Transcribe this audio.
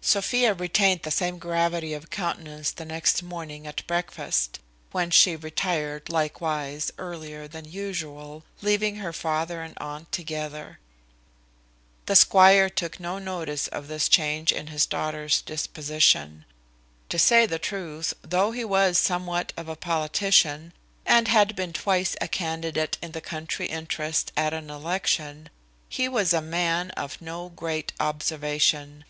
Sophia retained the same gravity of countenance the next morning at breakfast; whence she retired likewise earlier than usual, leaving her father and aunt together. The squire took no notice of this change in his daughter's disposition. To say the truth, though he was somewhat of a politician, and had been twice a candidate in the country interest at an election, he was a man of no great observation.